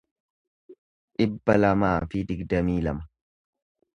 dhibba lamaa fi digdamii lama